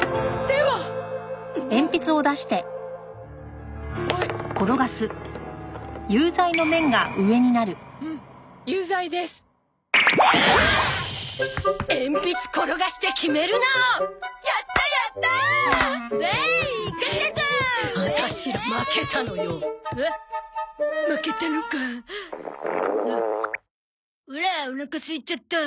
オラおなかすいちゃった。